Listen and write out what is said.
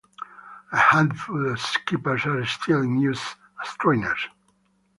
A handful of Skippers are still in use as trainers.